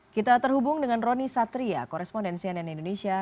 kita terhubung dengan roni satria korespondensi ann indonesia